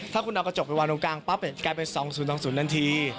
ถ้าคุณเอากระจกไปวางตรงกลางปั๊บกลายเป็น๒๐๒๐ทันที